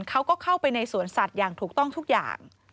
เขาก็เข้าไปในสวนสัตว์อย่างถูกต้องทุกอย่าง